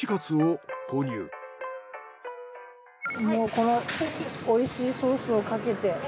もうこのおいしいソースをかけて。